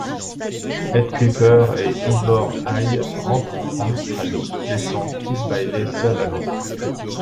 Ed Kuepper et Ivor Hay rentrent en Australie, laissant Chris Bailey seul à Londres.